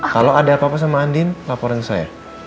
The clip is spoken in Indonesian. kalau ada apa apa sama andin laporan ke saya